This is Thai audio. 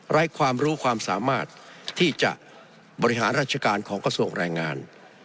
ความรู้ความสามารถที่จะบริหารราชการของกระทรวงแรงงาน